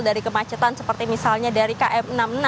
dari kemacetan seperti misalnya dari km enam puluh enam